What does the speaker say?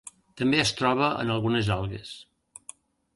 També es troba en algunes algues.